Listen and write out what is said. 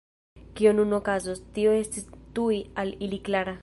Kio nun okazos, tio estis tuj al ili klara.